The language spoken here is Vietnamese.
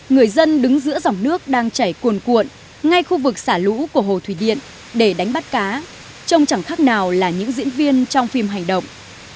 người dân đứng giữa dòng nước đang chảy cuồn cuộn ngay khu vực xả lũ của hồ thủy điện để đánh bắt cá trông chẳng khác nào là những diễn viên trong phim hành động